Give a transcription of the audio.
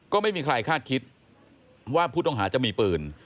ก็ไม่มีใครคาดคิดว่าผู้ต้องหาจะมีปืน